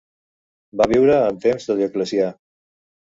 Va viure en temps de Dioclecià.